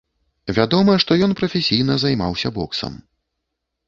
Вядома, што ён прафесійна займаўся боксам.